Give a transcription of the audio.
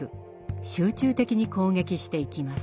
集中的に攻撃していきます。